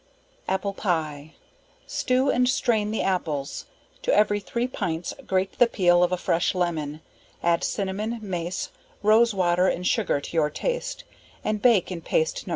Apple Pie. Stew and strain the apples, to every three pints, grate the peal of a fresh lemon, add cinnamon, mace, rose water and sugar to your taste and bake in paste No.